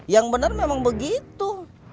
yang bener memang begitu